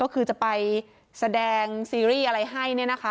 คือแสดงซีรีส์อะไรให้